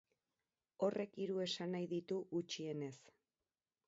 Horrek hiru esanahi ditu, gutxienez.